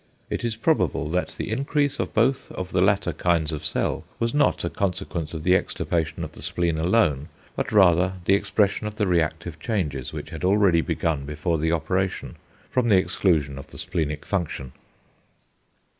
It is probable that the increase of both of the latter kinds of cell was not a consequence of the extirpation of the spleen alone, but rather the expression of the reactive changes, which had already begun before the operation, from the exclusion of the splenic function.